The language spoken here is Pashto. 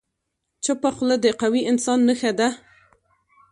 چپه خوله، د قوي انسان نښه ده.